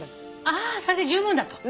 ああそれで十分だと。